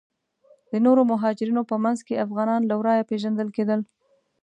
د نورو مهاجرینو په منځ کې افغانان له ورایه پیژندل کیدل.